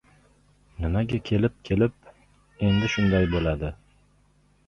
— Nimaga kelib-kelib, endi shunday bo‘ldi?